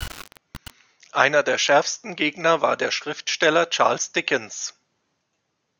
Einer der schärfsten Gegner war der Schriftsteller Charles Dickens.